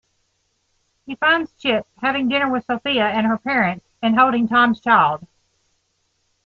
He finds Chip having dinner with Sofia and her parents and holding Tom's child.